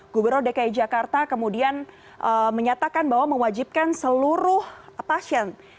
gubernur dki jakarta kemudian menyatakan bahwa mewajibkan seluruh pasien